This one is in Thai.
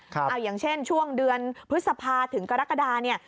เอาอย่างเช่นช่วงเดือนพฤษภาถึงกรกฎาเนี่ย